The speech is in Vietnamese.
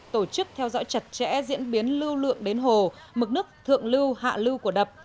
tổ chức theo dõi chặt chẽ diễn biến lưu lượng đến hồ mực nước thượng lưu hạ lưu của đập